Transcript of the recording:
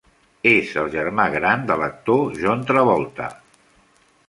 És el germà gran de l'actor John Travolta.